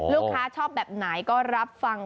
ลูกค้าชอบแบบไหนก็รับฟัง